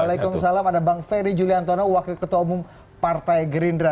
waalaikumsalam ada bang ferry juliantono wakil ketua umum partai gerindra